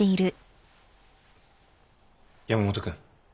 山本君。